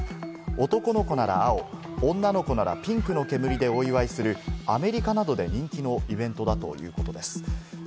男の子なら青、女の子ならピンクの煙でお祝いする、アメリカなどで人気のイベントだということです。